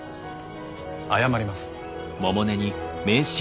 謝ります。